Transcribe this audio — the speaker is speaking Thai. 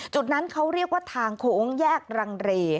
จุดนั้นเขาเรียกว่าทางโค้งแยกรังเร